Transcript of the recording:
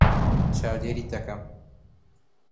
چاودێریت دەکەم.